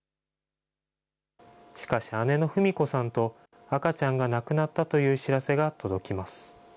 しかし、姉の富美子さんと赤ちゃんが亡くなったという知らせが届きます。